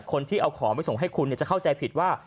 คนที่เอาของไปส่งให้คุณจะเข้าใจผิดว่า